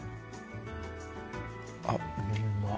あっうまっ。